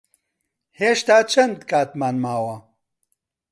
هێشتا چەند کاتمان ماوە؟